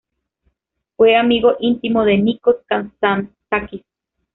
Fue amigo íntimo de Nikos Kazantzakis.